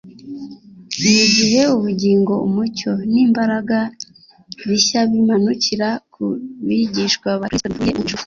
Mu gihe ubugingo, umucyo n'imbaraga bishya bimanukira ku bigishwa ba Kristo bivuye mu ijuru,